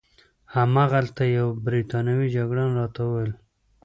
هماغلته یوه بریتانوي جګړن راته وویل.